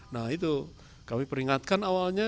nah itu kami peringatkan awalnya